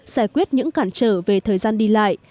giải quyết những cản trở về thời gian đi lại